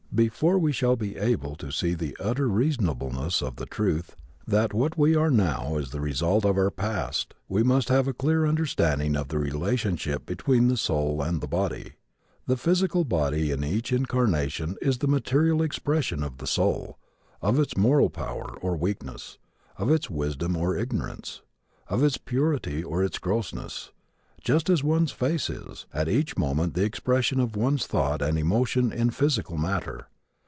Before we shall be able to see the utter reasonableness of the truth that what we are now is the result of our past we must have a clear understanding of the relationship between the soul and the body. The physical body in each incarnation is the material expression of the soul, of its moral power or weakness, of its wisdom or ignorance, of its purity or its grossness, just as one's face is, at each moment the expression of one's thought and emotion in physical matter.